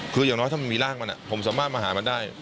คืออย่างน้อยถ้ามันมีร่างมันผมสามารถมาหามันได้